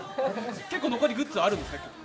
結構、残りのグッズあるんですか？